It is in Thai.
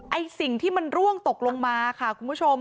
ไอ้สิ่งที่มันร่วงตกลงมาค่ะคุณผู้ชม